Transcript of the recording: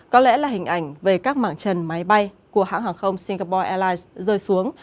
có lẽ là hình ảnh về các mảng trần máy bay của hãng hàng không singapore airlines rơi xuống